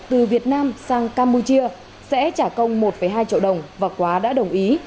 tổ chức từ việt nam sang campuchia sẽ trả công một hai triệu đồng và quá đã đồng ý